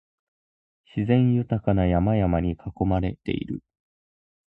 自然豊かな山々に囲まれている